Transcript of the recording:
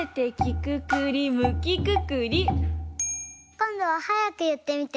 こんどははやくいってみて。